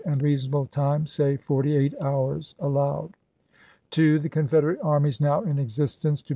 xn. and reasonable time, — say, forty eight hours — allowed. "2. The Confederate armies now in existence to APi.i8,i865.